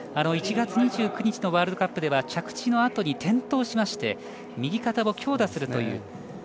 １月２９日のワールドカップでは着地のあとに転倒しまして右肩を強打するという。